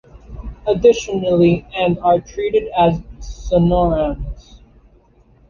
Additionally, and are treated as sonorants.